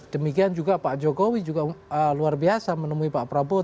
demikian juga pak jokowi juga luar biasa menemui pak prabowo